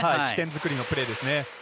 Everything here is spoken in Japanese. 起点作りのプレーですね。